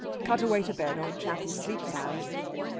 Cut away to bed, old chap, and sleep sound...."